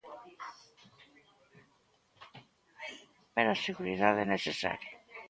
Pero a seguridade é necesaria.